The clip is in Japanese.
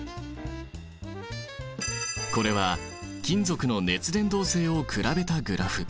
これは金属の熱伝導性を比べたグラフ。